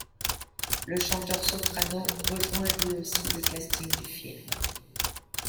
Le chanteur Soprano rejoint lui aussi le casting du film.